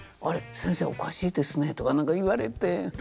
「あれ先生おかしいですね」とかなんか言われて。